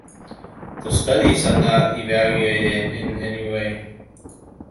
The studies are not evaluated in any way.